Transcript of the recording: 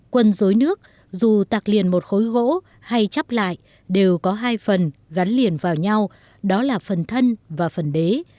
quân dối nước dù tạc liền một khối gỗ hay chắp lại đều có hai phần gắn liền vào nhau đó là phần thân và phần đế